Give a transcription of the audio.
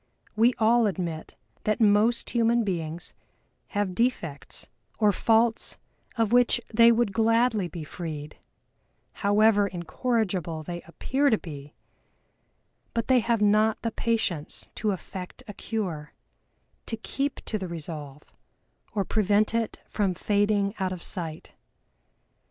We all admit that most human beings have defects or faults of which they would gladly be freed (however incorrigible they appear to be), but they have not the patience to effect a cure, to keep to the resolve, or prevent it from fading out of sight.